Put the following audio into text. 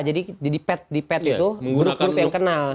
jadi di pet itu grup grup yang kenal